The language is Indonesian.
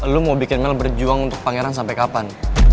lo mau bikin mel berjuang untuk pangeran sampe kapan